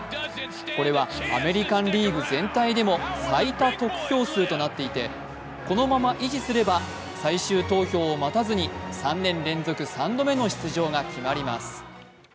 これはアメリカン・リーグ全体でも最多得票数となっていてこのまま維持すれば、最終投票を待たずに３年連続３度目の出場が決まります。